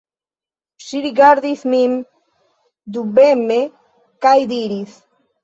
Ŝi rigardis min dubeme kaj diris: